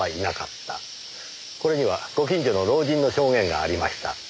これにはご近所の老人の証言がありました。